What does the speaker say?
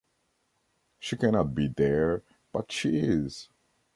She cannot be there, but she is!